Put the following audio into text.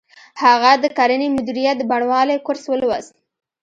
هغه د کرنې مدیریت د بڼوالۍ کورس ولوست